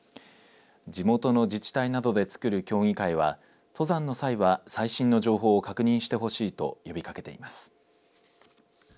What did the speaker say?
地元の自治体などで作る協議会は登山の際は最新の情報を確認してほしいと呼びかけています。